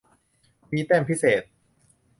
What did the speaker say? มีแต้มพิเศษ.